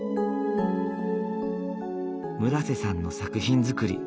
村瀬さんの作品作り。